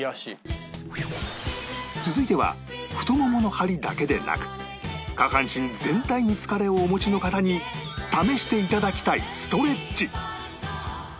続いては太ももの張りだけでなく下半身全体に疲れをお持ちの方に試していただきたいストレッチ